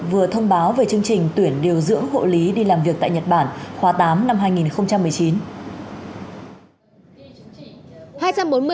vừa thông báo về chương trình tuyển điều dưỡng hộ lý đi làm việc tại nhật bản khóa tám năm hai nghìn một mươi chín